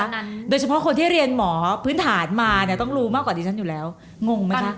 โดยเฉพาะคนที่เรียนหมอพื้นฐานมาเนี่ยต้องรู้มากกว่าดิฉันอยู่แล้วงงไหมคะ